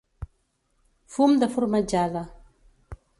Fum de formatjada.